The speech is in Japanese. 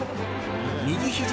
右ひじ